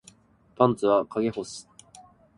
パンツは陰干し